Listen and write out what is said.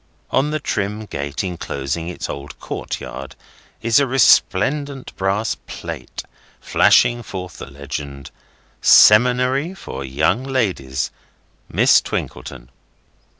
On the trim gate enclosing its old courtyard is a resplendent brass plate flashing forth the legend: "Seminary for Young Ladies. Miss Twinkleton."